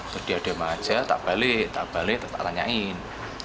terus dia diem aja tak balik tak balik tak tanyain